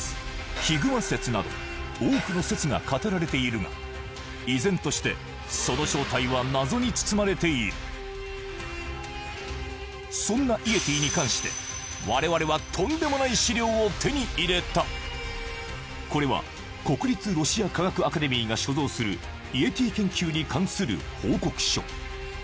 ヒグマ説など多くの説が語られているが依然としてその正体は謎に包まれているそんなイエティに関して我々はとんでもない資料を手に入れたこれは国立ロシア科学アカデミーが所蔵するイエティ研究に関する報告書